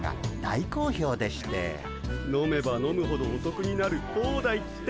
飲めば飲むほどおとくになるホーダイって。